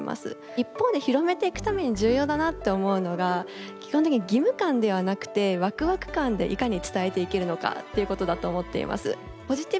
一方で広めていくために重要だなって思うのが基本的に義務感ではなくてワクワク感でいかに伝えていけるのかっていうことだと思っています。